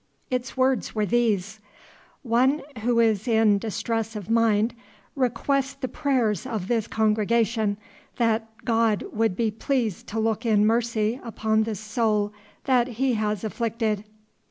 Its words were these: "One who is in distress of mind requests the prayers of this congregation that God would be pleased to look in mercy upon the soul that he has afflicted."